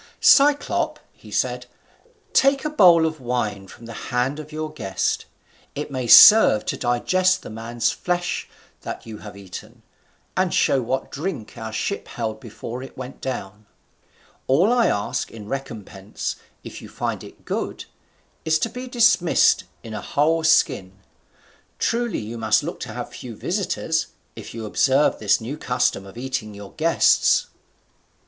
[Illustration: 'Cyclop,' he said, 'take a bowl of wine from the hand of your guest.'] "Cyclop," he said, "take a bowl of wine from the hand of your guest: it may serve to digest the man's flesh that you have eaten, and show what drink our ship held before it went down. All I ask in recompense, if you find it good, is to be dismissed in a whole skin. Truly you must look to have few visitors, if you observe this new custom of eating your guests."